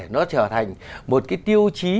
nó trở thành một cái tiêu chí